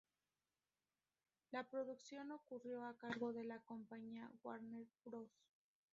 La producción corrió a cargo de la compañía Warner Bros.